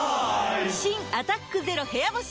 新「アタックＺＥＲＯ部屋干し」